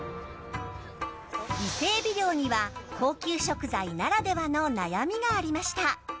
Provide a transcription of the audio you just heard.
伊勢エビ漁には高級食材ならではの悩みがありました。